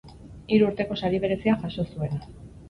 Hiru Urteko sari berezia jaso zuena.